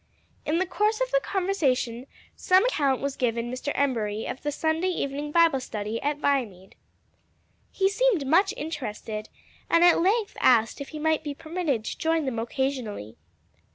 In the course of the conversation some account was given Mr. Embury of the Sunday evening Bible study at Viamede. He seemed much interested, and at length asked if he might be permitted to join them occasionally.